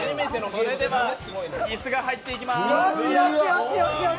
それでは椅子が入っていきます。